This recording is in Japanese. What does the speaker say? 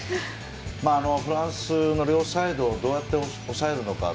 フランスの両サイドをどうやって抑えるのか。